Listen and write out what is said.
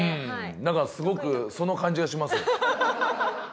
なんかすごくその感じがします。